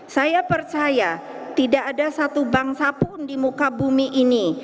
saya percaya tidak ada satu bangsa pun di muka bumi ini